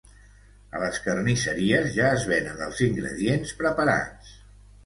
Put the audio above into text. A les carnisseries ja es venen els ingredients preparats